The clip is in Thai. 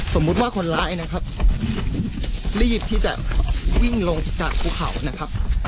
สมมุติว่าคนร้ายนะครับรีบที่จะวิ่งลงจากภูเขานะครับ